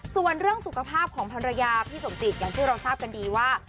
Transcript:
ส่วนเรื่องสุขภาพของภรรยาพี่สมจิตอย่างที่เราทราบกันดีว่า